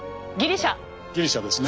ギリシャですね。